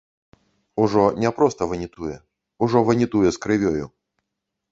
Ужо не проста ванітуе, ужо ванітуе з крывёю.